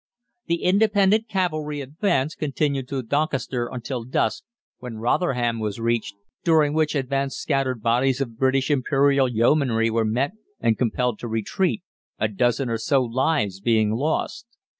"The independent cavalry advance continued through Doncaster until dusk, when Rotherham was reached, during which advance scattered bodies of British Imperial Yeomanry were met and compelled to retreat, a dozen or so lives being lost.